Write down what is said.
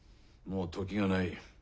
もう時がない。